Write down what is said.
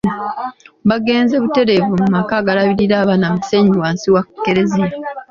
Bagenze butereevu mu maka agalabirira abaana mu Kisenyi wansi wa Kereziya.